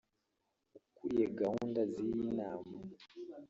ukuriye gahunda z’iyi nama